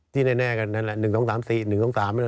ที่แน่ก็นั่นแหละ๑๒๓๔๑๒๓ไม่ต้องนะ